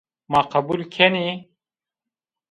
Ma qebul kenî